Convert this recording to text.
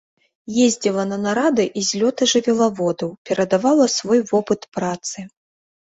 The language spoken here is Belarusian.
Ездзіла на нарады і злёты жывёлаводаў, перадавала свой вопыт працы.